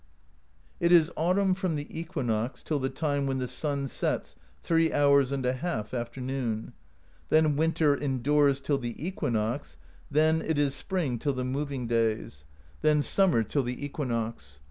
[" It is autumn from the equinox till the time when the sun sets three hours and a half after noon; then winter endures till the equinox; then it is spring till the moving days;^ then " In May. THE POESY OF SKALDS 225 summer till the equinox.